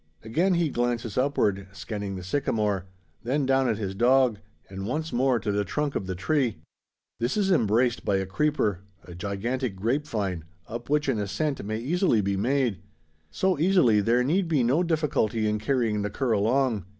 Again he glances upward, scanning the sycamore: then down at his dog; and once more to the trunk of the tree. This is embraced by a creeper a gigantic grape vine up which an ascent may easily be made; so easily, there need be no difficulty in carrying the cur along.